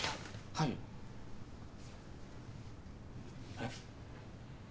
はい。えっ？